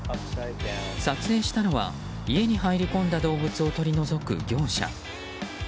撮影したのは、家に入り込んだ動物を取り除く業者。